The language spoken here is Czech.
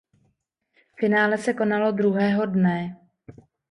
Finále se konalo druhého dne.